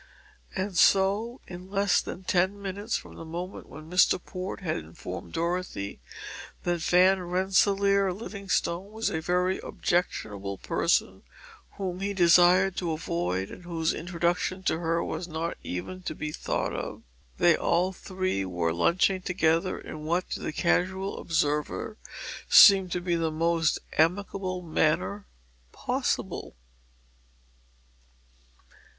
And so in less than ten minutes from the moment when Mr. Port had informed Dorothy that Van Rensselaer Livingstone was a very objectionable person whom he desired to avoid, and whose introduction to her was not even to be thought of, they all three were lunching together in what to the casual observer seemed to be the most amicable manner possible.